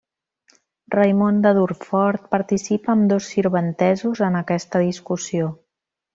Raimon de Durfort participa amb dos sirventesos en aquesta discussió.